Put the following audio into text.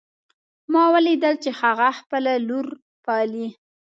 ما ولیدل چې هغه خپله لور پالي